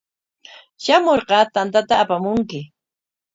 Shamurqa tantata apamunki.